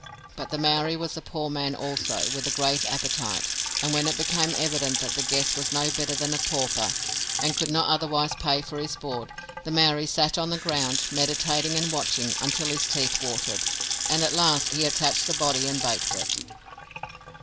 But the Maori was a poor man also, with a great appetite, and when it became evident that the guest was no better than a pauper, and could not otherwise pay for his board, the Maori sat on the ground, meditating and watching, until his teeth watered, and at last he attached the body and baked it.